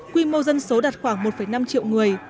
quy mô dân số đạt khoảng một đồng